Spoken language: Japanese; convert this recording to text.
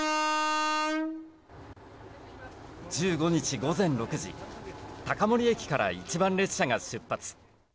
１５日午前６時、高森駅から一番列車が出発。